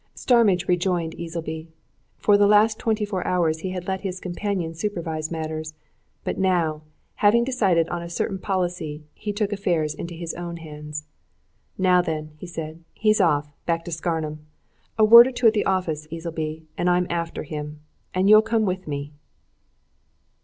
Starmidge rejoined Easleby. For the last twenty four hours he had let his companion supervise matters, but now, having decided on a certain policy, he took affairs into his own hands. "Now, then," he said, "he's off back to Scarnham. A word or two at the office, Easleby, and I'm after him. And you'll come with me."